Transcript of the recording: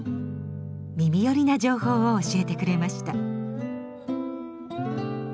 耳よりな情報を教えてくれました。